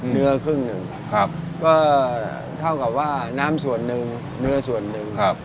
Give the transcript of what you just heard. ครึ่งหนึ่งครับก็เท่ากับว่าน้ำส่วนหนึ่งเนื้อส่วนหนึ่ง